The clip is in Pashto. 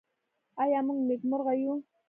آیا موږ نېکمرغه یو؟